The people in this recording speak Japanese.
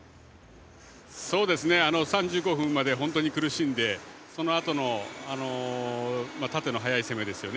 ３５分まで本当に苦しんでそのあとの縦の速い攻めですよね。